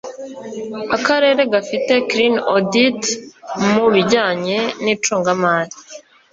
Akarere gafite clean audit mu bijyanye n icungamari